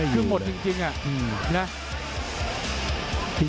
คือหมดจริงน่ะ